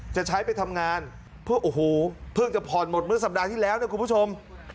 จะใช้ไปทำงานเพิ่งจะผ่อนหมดเมื่อสัปดาห์ที่แล้วนะครับคุณผู้ชม